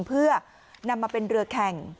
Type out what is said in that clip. เพื่อนำมาเป็นเรือแข่ง